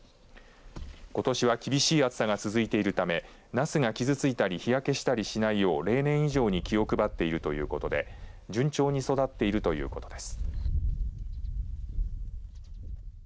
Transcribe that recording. ことしは厳しい暑さが続いているためナスが傷ついたり日焼けしたりしないよう例年以上に気を配っているということで順調に育っているということです。